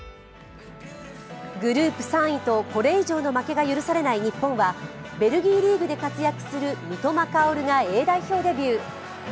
グループ３位とこれ以上の負けが許されない日本は、ベルギーリーグで活躍する三笘薫がＡ代表デビュー。